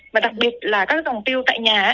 và đặc biệt là các dòng piu tại nhà